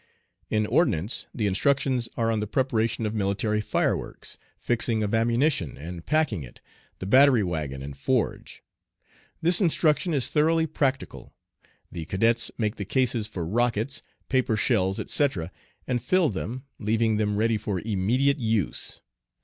In ordnance the instructions are on the preparation of military fireworks, fixing of ammunition and packing it, the battery wagon and forge. This instruction is thoroughly practical. The cadets make the cases for rockets, paper shells, etc., and fill them, leaving them ready for immediate use.